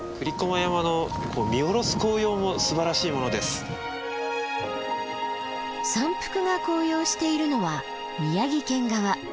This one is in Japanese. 山腹が紅葉しているのは宮城県側。